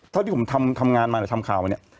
เมื่อที่ผมทำงานมาแล้วทำข่าวนี้